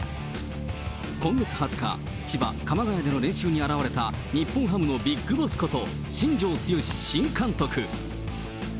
今月２０日、千葉・鎌ヶ谷での練習に現れた日本ハムのビッグボスこと、新庄剛志新監督。